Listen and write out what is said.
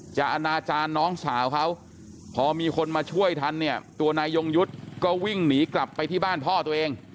อนาจารย์น้องสาวเขาพอมีคนมาช่วยทันเนี่ยตัวนายยงยุทธ์ก็วิ่งหนีกลับไปที่บ้านพ่อตัวเอง